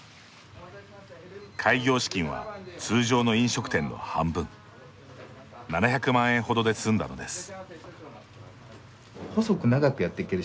開業資金は通常の飲食店の半分７００万円ほどで済んだのです。